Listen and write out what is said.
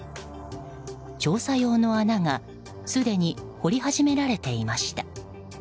調査用の穴がすでに掘り始められていました。